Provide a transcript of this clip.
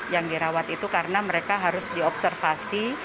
yang dirawat itu karena mereka harus diobservasi